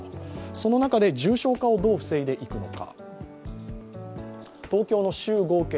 その中で重症化をどう防いでいくのか。